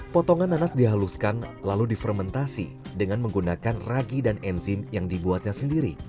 potongan nanas dihaluskan lalu difermentasi dengan menggunakan ragi dan enzim yang dibuatnya sendiri